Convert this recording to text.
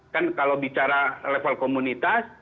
kan kalau bicara level komunitas